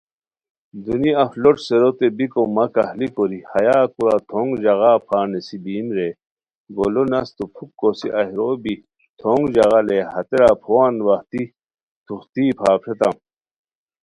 دونی اف لوٹ سیروتین بیکو مہ کاہلی کوری ہیا کورا تھونگ اوغا پھار نیسی بیم رے، گولو نستو پُھک کوسی ایہہ رو بی تھونگ ژاغہ لیے ہتیرا بی پھووان واہتی تھوختی پھریتام